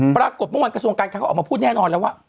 ปรากฏเมื่อวานกระทรวงการคังเขาออกมาพูดแน่นอนแล้วว่า